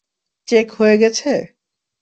Check হয়ে গেছে?